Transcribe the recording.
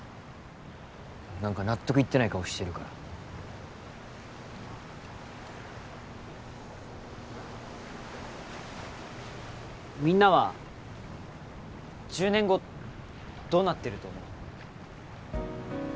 何か納得いってない顔してるからみんなは１０年後どうなってると思う？